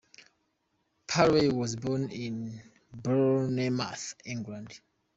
Paley was born in Bournemouth, England.